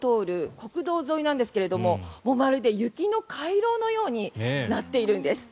国道沿いなんですがまるで雪の回廊のようになっているんです。